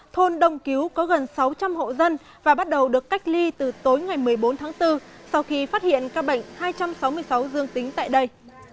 thôn đông cứu có gần sáu trăm linh hộ dân và bắt đầu được cách ly từ tối ngày một mươi bốn tháng bốn sau khi phát hiện ca bệnh hai trăm sáu mươi sáu dương tính tại đây